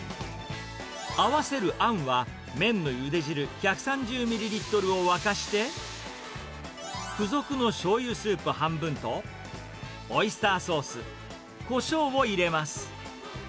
合わせるあんは、麺のゆで汁１３０ミリリットルを沸かして、付属のしょうゆスープ半分と、オイスターソース、コショウを入れます。